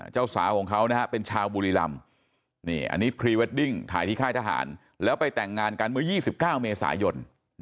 เจ้าสาวของเขาเป็นชาวบุรีรำอันนี้พรีเวดดิ้งถ่ายที่ค่ายทหารแล้วไปแต่งงานกันเมื่อ๒๙เมษายน